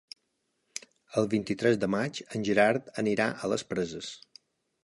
El vint-i-tres de maig en Gerard anirà a les Preses.